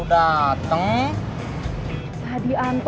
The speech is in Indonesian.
dah kembali ke rumah